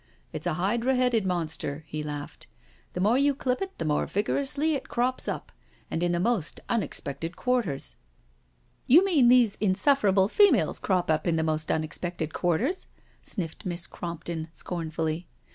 It's a hydra headed mon ster," he laughed, " the more you clip it the more vigorously it crops up, and in the most unexpected quarters ";" You mean these insufferable females crop up in the most unexpected quarters," sniffed Miss Crompton scornfully.